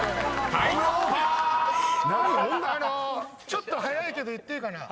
ちょっと早いけど言っていいかな？